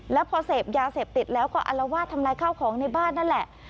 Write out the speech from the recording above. แล้วพอเสพยาเสพติดแล้วก็อลวาดทำลายข้าวของในบ้านนั่นแหละ